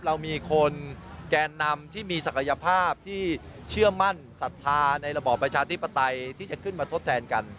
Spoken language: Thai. เรามีคนแกนนำที่มีศักยภาพที่เชื่อมั่นศรัทธาในระบอบประชาธิปไตยที่จะขึ้นมาทดแทนกัน